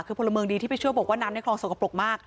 คือพลเมืองดีที่ไปช่วยบอกว่าน้ำในคลองสกปรกมาก